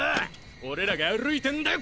俺らが歩いてんだよ